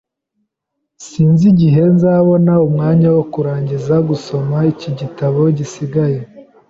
Sinzi igihe nzabona umwanya wo kurangiza gusoma iki gitabo gisigaye.